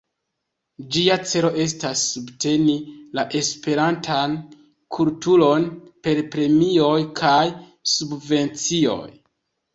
Ĝia celo estas subteni la esperantan kulturon per premioj kaj subvencioj.